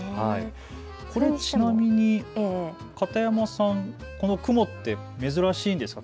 これ、ちなみに片山さん、この雲って珍しいんですか。